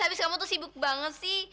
abis kamu tuh sibuk banget sih